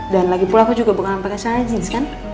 dan lagipula aku juga bukan pakai saran jeans kan